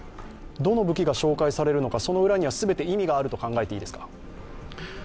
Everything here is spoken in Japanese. どの武器が紹介されるのか、その裏には全て意味があると考えていいですか。